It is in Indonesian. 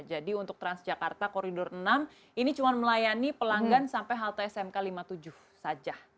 jadi untuk transjakarta koridor enam ini cuma melayani pelanggan sampai halte smk lima puluh tujuh saja